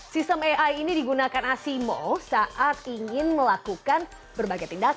sistem ai ini digunakan asimo saat ingin melakukan berbagai tindakan